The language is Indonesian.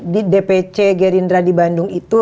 di dpc gerindra di bandung itu